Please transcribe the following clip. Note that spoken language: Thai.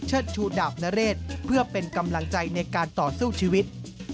ชูดาบนเรศเพื่อเป็นกำลังใจในการต่อสู้ชีวิต